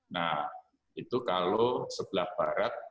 nah itu kalau sebelah barat